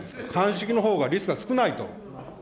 乾式のほうがリスクが少ないと。